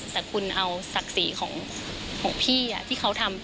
แต่คุณเอาศักดิ์ศรีของพี่ที่เขาทำ